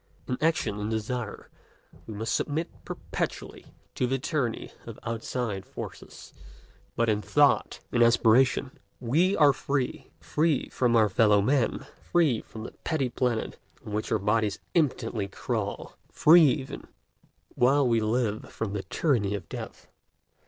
In action, in desire, we must submit perpetually to the tyranny of outside forces; but in thought, in aspiration, we are free, free from our fellow men, free from the petty planet on which our bodies impotently crawl, free even, while we live, from the tyranny of death.